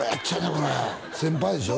これ先輩でしょ？